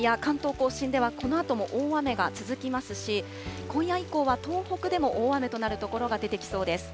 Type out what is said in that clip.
甲信では、このあとも大雨が続きますし、今夜以降は東北でも大雨となる所が出てきそうです。